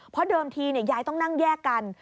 เพราะเดิมทียายต้องนั่งแยกกัน